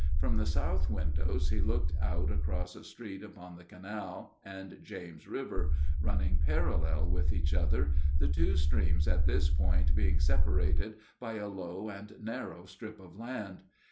From the south windows he looked out across a street upon the canal and James River, running parallel with each other, the two streams at this point being separated by a low and narrow strip of land.